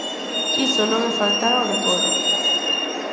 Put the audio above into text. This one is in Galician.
Iso non é faltar ao decoro.